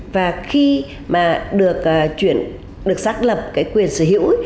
và khi mà được chuyển được xác lập cái quyền sử dụng